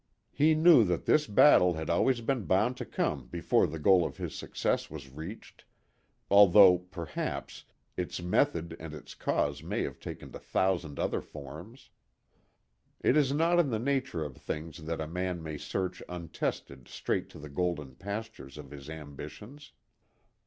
He knew that this battle had always been bound to come before the goal of his success was reached; although, perhaps, its method and its cause may have taken a thousand other forms. It is not in the nature of things that a man may march untested straight to the golden pastures of his ambitions.